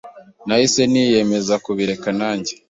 Nahise niyemeza kubireka nanjye